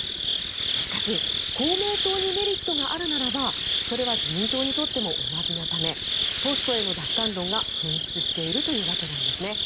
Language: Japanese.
しかし、公明党にメリットがあるならばそれは自民党にとっても同じなためポストへの奪還論が噴出しているというわけです。